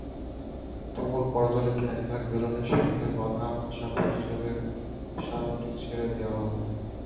তুমুল করতালিতে একঝাঁক বেলুনের সঙ্গে বাঁধা ভাষা প্রতিযোগের স্মারকটি ছেড়ে দেওয়া হলো।